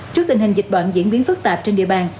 trước tình hình dịch bệnh diễn biến phức tạp trên địa bàn